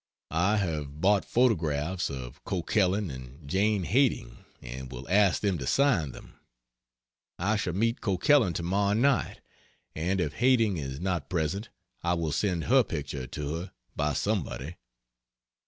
I have bought photographs of Coquelin and Jane Hading and will ask them to sign them. I shall meet Coquelin tomorrow night, and if Hading is not present I will send her picture to her by somebody.